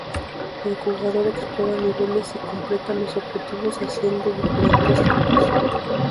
El jugador explora niveles y completa los objetivos haciendo diferentes trucos.